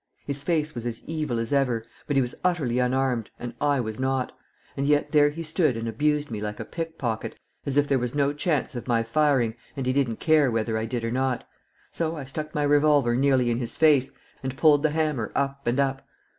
His face was as evil as ever, but he was utterly unarmed, and I was not; and yet there he stood and abused me like a pickpocket, as if there was no chance of my firing, and he didn't care whether I did or not. So I stuck my revolver nearly in his face, and pulled the hammer up and up.